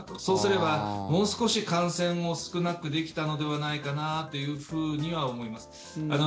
そうすれば、もう少し感染を少なくできたのではないかなというふうには思います。